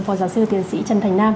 phó giáo sư tiến sĩ trần thành nam